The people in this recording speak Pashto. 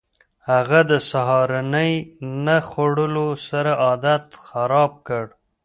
هغه د سهارنۍ نه خوړلو سره عادت خراب کړ.